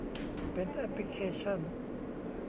เป็นแอปพลิเคชั่น